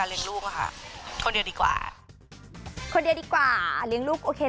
เซ็นแล้วค่ะโอ้เรียบร้อย